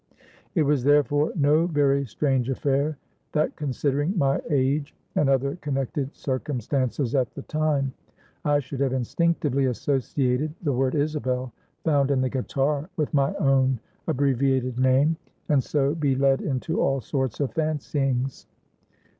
It was therefore no very strange affair, that considering my age, and other connected circumstances at the time, I should have instinctively associated the word Isabel, found in the guitar, with my own abbreviated name, and so be led into all sorts of fancyings.